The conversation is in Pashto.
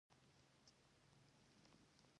غواړم چې تا خپل زوی، حميد ته په نامه کم.